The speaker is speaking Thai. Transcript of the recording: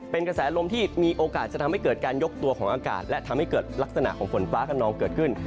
เป็นกระแสลมที่มีโอกาสจะทำให้เกิดการยกตัวของอากาศและทำให้เกิดลักษณะของฝนฟ้าขนองเกิดขึ้น